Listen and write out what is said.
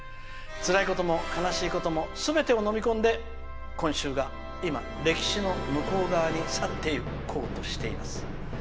つらいことも悲しいこともすべてをのみ込んで今週が今、歴史の向こう側に去っていこうとしています。